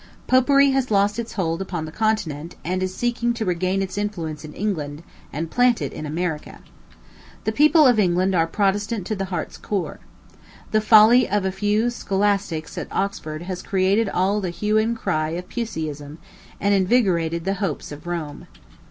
Popery has lost its hold upon the continent, and is seeking to regain its influence in England, and plant it in America. The people of England are Protestant to the heart's core. The folly of a few scholastics at Oxford has created all the hue and cry of Puseyism, and invigorated the hopes of Rome.